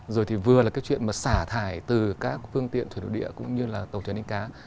rồi thì vừa là cái chuyện mà xả thải từ các phương tiện thủy nội địa cũng như là tàu thuyền đánh cá